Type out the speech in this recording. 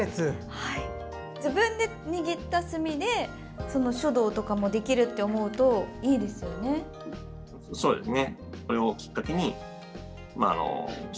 自分で握った墨で、書道とかもできるって思うといいですよね。